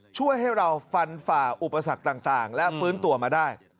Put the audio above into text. ช่วยให้เราฟันฝ่าอุปสรรคต่างและฟื้นตัวมาได้